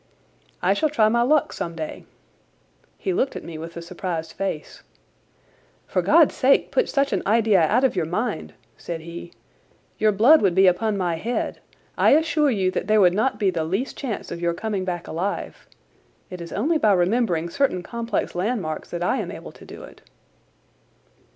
"I shall try my luck some day." He looked at me with a surprised face. "For God's sake put such an idea out of your mind," said he. "Your blood would be upon my head. I assure you that there would not be the least chance of your coming back alive. It is only by remembering certain complex landmarks that I am able to do it."